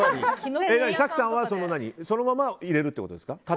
早紀さんはそのまま入れるってことですか？